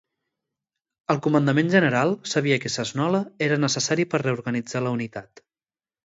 El comandament general sabia que Cesnola era necessari per reorganitzar la unitat.